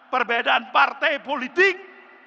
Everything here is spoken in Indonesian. perbedaan partai politik